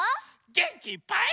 げんきいっぱい。